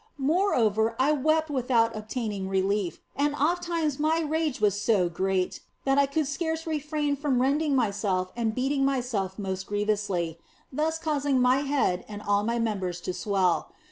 Moreover, I wept without obtaining relief, and ofttimes was my rage so great that I could scarce refrain from rending myself and beating myself most grievously, thus causing my head and all my members to swell.